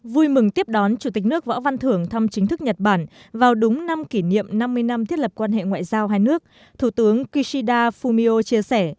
vui mừng tiếp đón chủ tịch nước võ văn thưởng thăm chính thức nhật bản vào đúng năm kỷ niệm năm mươi năm thiết lập quan hệ ngoại giao hai nước thủ tướng kishida fumio chia sẻ